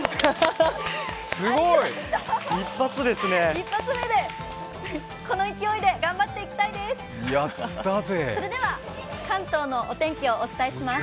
一発目で、この勢いで頑張っていきたいです。